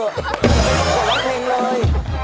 นี่แกต้องไปร้องเพลงเลย